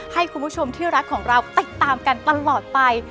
ให้คุณผู้ชมที่รักของเราติดตามกันตลอดไป